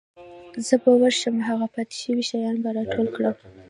زه به ورشم هغه پاتې شوي شیان به راټول کړم.